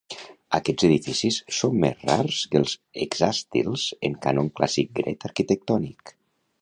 Aquests edificis són més rars que els hexàstils en cànon clàssic grec arquitectònic.